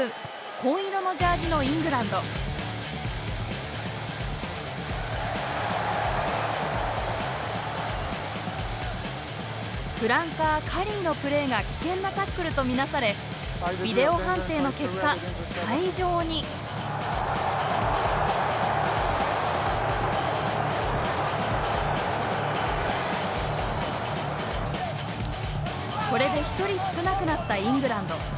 紺色のジャージのイングランドフランカーカリーのプレーが危険なタックルと見なされビデオ判定の結果退場にこれで１人少なくなったイングランド。